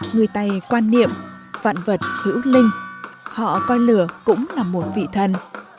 người tày quan niệm vạn vật hữu linh họ coi lửa cũng là một vị thần